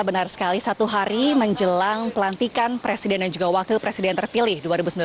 benar sekali satu hari menjelang pelantikan presiden dan juga wakil presiden terpilih dua ribu sembilan belas dua ribu dua puluh empat